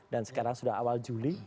dan sekarang sudah awal juli